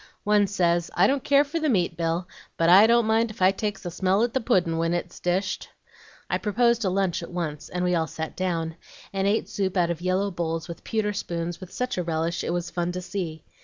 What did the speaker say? One says, 'I don't care for the meat, Bill, but I don't mind if I takes a smell at the pudd'n' when it's dished.' I proposed a lunch at once, and we all sat down, and ate soup out of yellow bowls with pewter spoons with such a relish it was fun to see.